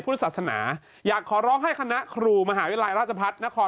พุทธศาสนาอยากขอร้องให้คณะครูมหาวิทยาลัยราชพัฒนคร